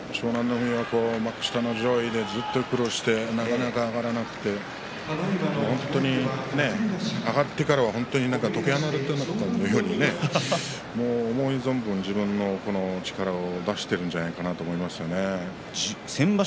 海は幕下の上位でずっと苦労してなかなか上がらなくて本当に上がってからは解き放たれたようなね思う存分力を出しているんじゃないかと思いますね。